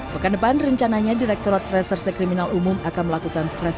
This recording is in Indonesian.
pekan depan rencananya direkturat reserse kriminal umum akan melakukan